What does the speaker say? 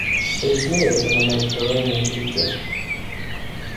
It is native in the Mediterranean region.